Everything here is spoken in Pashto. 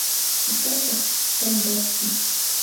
استاد په خپل درس کې.